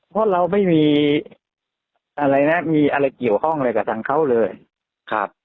เพราะเราไม่มีอะไรนะมีอะไรเกี่ยวข้องอะไรกับทางเขาเลยครับ